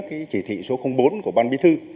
cái chỉ thị số bốn của ban bí thư